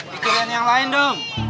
pikirin yang lain dong